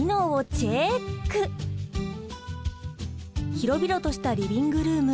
広々としたリビングルーム